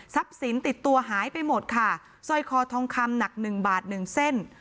สินติดตัวหายไปหมดค่ะสร้อยคอทองคำหนักหนึ่งบาทหนึ่งเส้น